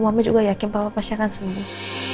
mama juga yakin bahwa pasti akan sembuh